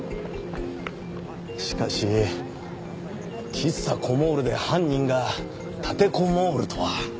しかし喫茶コモールで犯人が立てこもーるとは。